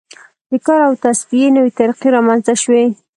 د کار او تصفیې نوې طریقې رامنځته شوې.